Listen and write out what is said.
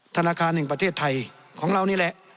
ธนาคารแห่งประเทศไทยของเรานี่แหละ